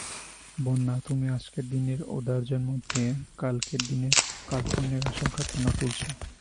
বন্যা, তুমি আজকের দিনের ঔদার্যের মধ্যে কালকের দিনের কার্পণ্যের আশঙ্কা কেন তুলছ।